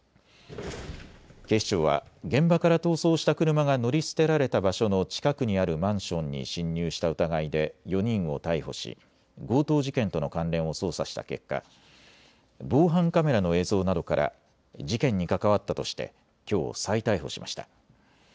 警視庁は現場から逃走した車が乗り捨てられた場所の近くにあるマンションに侵入した疑いで４人を逮捕し強盗事件との関連を捜査した結果、防犯カメラの映像などから事件に関わったとしてきょう再逮捕しました。